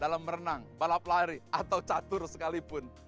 dalam berenang balap lari atau catur sekalipun